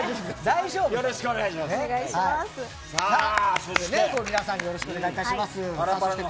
そして皆さんよろしくお願いします。